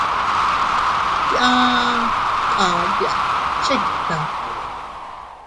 Yaa dkayya chikta.